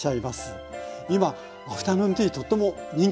今アフタヌーンティーとっても人気ありますよね？